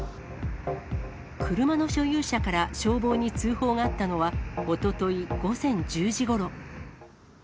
車の所有者から消防に通報があったのは、おととい午前１０時ごろ。